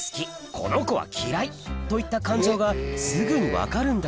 この子は嫌いといった感情がすぐに分かるんだ